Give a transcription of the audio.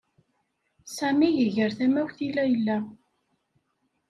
Sami iger tamawt i Layla.